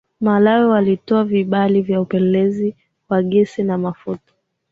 malawi walitoa vibali vya upelelezi wa gesi na mafuta